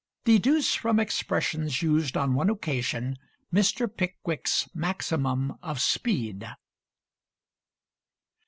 Deduce from expressions used on one occasion Mr. Pickwick's maximum of speed.